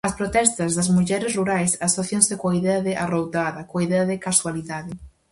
As protestas das mulleres rurais asócianse coa idea de arroutada, coa idea de casualidade.